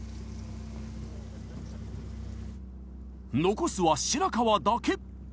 残すは白川だけ。